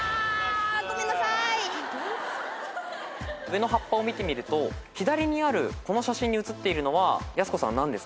上の葉っぱを見てみると左にあるこの写真に写っているのはやす子さん何ですか？